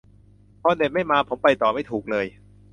พอเน็ตไม่มาผมไปต่อไม่ถูกเลย